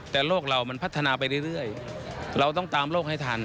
แต่โลกเรามันพัฒนาไปเรื่อยเราต้องตามโลกให้ทัน